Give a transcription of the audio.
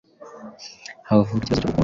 havuka ikibazo cyo gukunda